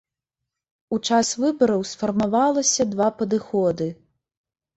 У час выбараў сфармавалася два падыходы.